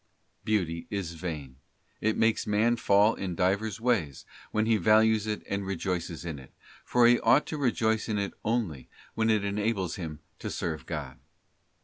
Beauty is vain; it makes man fall in divers ways, when he values it and rejoices in it, for he ought to rejoice in it only when it enables him to serve God.